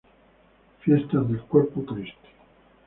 Fiesta del Corpus Christi.